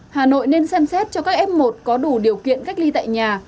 hà nội nên xem xét cho các f một có đủ điều kiện cách ly tại nhà